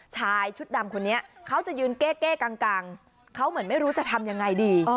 ชายชุดดำคนนี้เขาจะยืนเก้กังเขาเหมือนไม่รู้จะทำยังไงดี